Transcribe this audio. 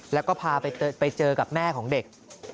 แล้วก็พาไปเจอกับแม่ของเด็ก